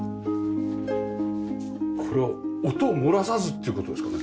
これは音を漏らさずっていう事ですかね？